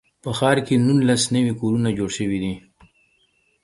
په ښار کې نولس نوي کورونه جوړ شوي دي.